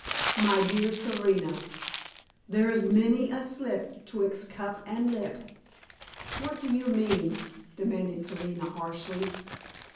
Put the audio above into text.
My dear Serena, 'there's many a slip 'twixt cup and lip'." "What do you mean?" demanded Serena, harshly.